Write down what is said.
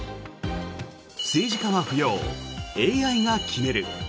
政治家は不要、ＡＩが決める。